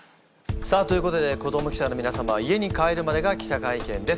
さあということで子ども記者の皆様は家に帰るまでが記者会見です。